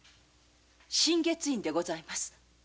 心月院でございます。